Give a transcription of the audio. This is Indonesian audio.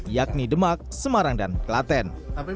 yakni demak semarang dan klaten